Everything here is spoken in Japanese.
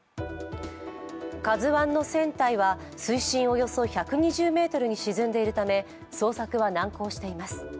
「ＫＡＺＵⅠ」の船体は水深およそ１２０ｍに沈んでいるため捜索は難航しています。